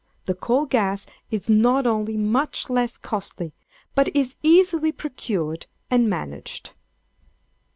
The coal gas is not only much less costly, but is easily procured and managed.